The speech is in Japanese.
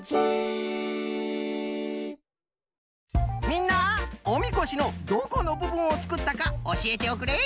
みんなおみこしのどこのぶぶんをつくったかおしえておくれ。